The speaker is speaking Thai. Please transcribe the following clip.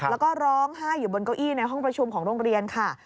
แล้วก็ร้องไห้อยู่บนเก้าอี้ในห้องประชุมของโรงเรียนค่ะ